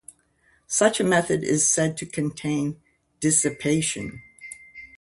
Such a method is said to contain 'dissipation'.